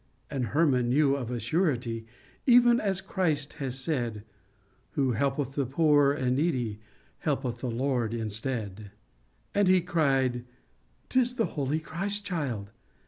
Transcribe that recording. And Hermann knew of a surety, even as Christ has said, " Who helpeth the poor and needy, helpeth the Lord instead." 140 A CHRISTMAS LEGEND And he cried, " T is the holy Christ child